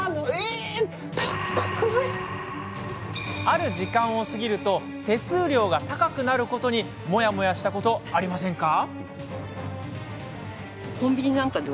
ある時間を過ぎると手数料が高くなることにモヤモヤしたことありませんか？